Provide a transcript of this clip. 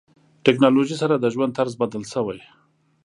ټکنالوژي سره د ژوند طرز بدل شوی.